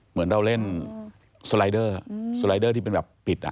เหมือนเราเล่นสไลเดอร์ที่เป็นแบบพิด